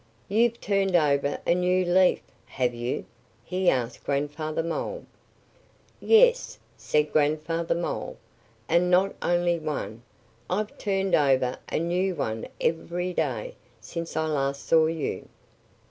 "You've turned over a new leaf, have you?" he asked Grandfather Mole. "Yes!" said Grandfather Mole. "And not only one! I've turned over a new one every day since I last saw you."